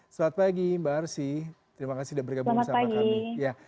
selamat pagi mbak arsy terima kasih sudah bergabung bersama kami